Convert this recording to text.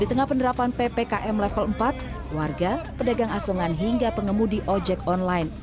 di tengah penerapan ppkm level empat warga pedagang asungan hingga pengemudi ojek online